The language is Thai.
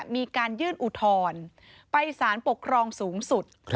มีการยื่นอุทธรณ์ไปสารปกครองสูงสุด